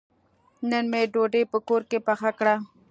نن مې ډوډۍ په کور کې پخه کړه.